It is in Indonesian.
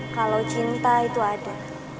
kalau cinta itu ada